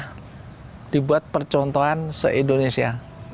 jadi ini dulu dibuat percontohan se indonesia